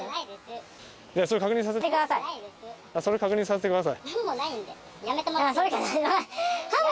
それ確認させてください。